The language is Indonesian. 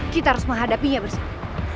kita harus menghadapinya bersama